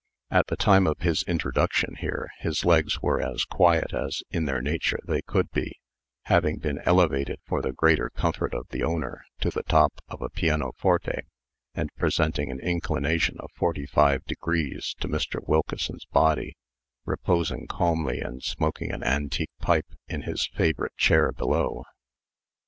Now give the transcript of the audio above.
At the time of his introduction here, his legs were as quiet as in their nature they could be, having been elevated, for the greater comfort of the owner, to the top of a pianoforte, and presenting an inclination of forty five degrees to Mr. Wilkeson's body, reposing calmly and smoking an antique pipe in his favorite chair below.